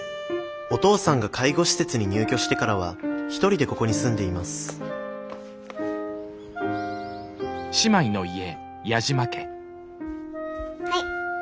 お父さんが介護施設に入居してからは１人でここに住んでいますはい。